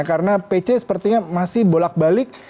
karena pece sepertinya masih bolak balik